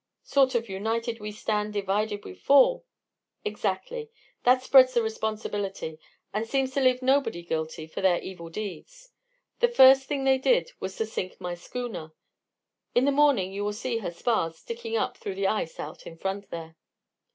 "Sort of 'United we stand, divided we fall.'" "Exactly. That spreads the responsibility, and seems to leave nobody guilty for their evil deeds. The first thing they did was to sink my schooner in the morning you will see her spars sticking up through the ice out in front there.